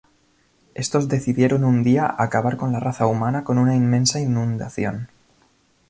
Estos decidieron un día acabar con la raza humana con una inmensa inundación.